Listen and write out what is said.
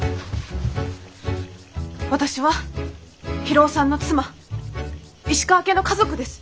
私は博夫さんの妻石川家の家族です。